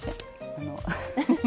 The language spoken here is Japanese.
あの。